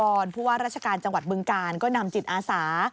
เพราะว่าราชการจังหวัดบึงกาลก็นำจิตอาสา